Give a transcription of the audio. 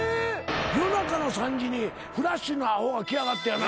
夜中の３時に『ＦＬＡＳＨ』のアホが来やがってやな。